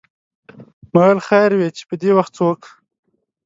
ما ویل خیر وې چې پدې وخت څوک و.